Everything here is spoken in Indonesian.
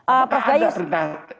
apakah ada perintah